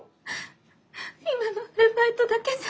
今のアルバイトだけじゃ。